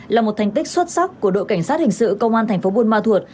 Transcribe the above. là một thành tích xuất sắc của đội cảnh sát hình sự công an tp buôn ma thuột